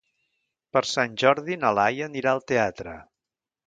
Per Sant Jordi na Laia anirà al teatre.